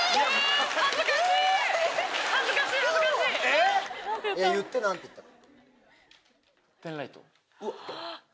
えっ⁉言って何て言ったか。